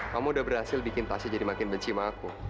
kamu udah berhasil bikin pasti jadi makin benci sama aku